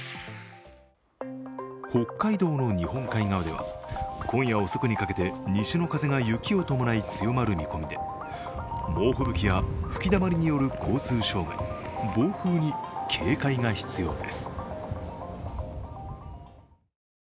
北海道の日本海側では今夜遅くにかけて西の風が雪を伴い強まる見込みで猛吹雪や吹きだまりによる交通障害、暴風に警戒が必要です。